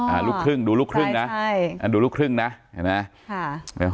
ลูกครึ่งดูลูกครึ่งนะใช่อ่าดูลูกครึ่งนะเห็นไหมค่ะ